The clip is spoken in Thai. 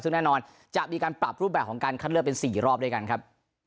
ซึ่งแน่นอนจะมีการปรับรูปแบบของการคัดเลือกเป็น๔รอบด้วยกันครับ